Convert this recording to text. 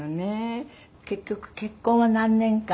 結局結婚は何年間？